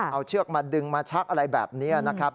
เอาเชือกมาดึงมาชักอะไรแบบนี้นะครับ